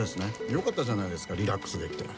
よかったじゃないですかリラックスできて。